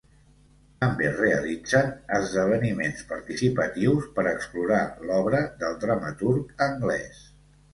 També realitzen esdeveniments participatius per explorar l'obra del dramaturg anglès.